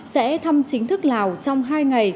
sẽ thăm chính thức lào trong hai ngày